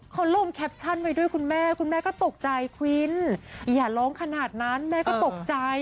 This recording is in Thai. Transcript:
เขาลงแคปชั่นไว้ด้วยคุณแม่คุณแม่ก็ตกใจคุณอย่าร้องขนาดนั้นแม่ก็ตกใจ